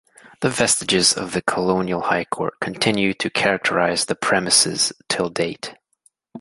The vestiges of the colonial High Court continue to characterise the premises till date.